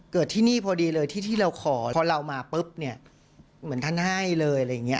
ที่นี่พอดีเลยที่ที่เราขอพอเรามาปุ๊บเนี่ยเหมือนท่านให้เลยอะไรอย่างเงี้